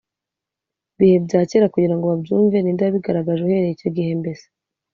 bihe bya kera kugira ngo babyumve ni nde wabigaragaje uhereye icyo gihe mbese